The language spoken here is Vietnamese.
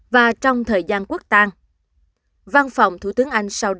và trong thời gian quốc tàng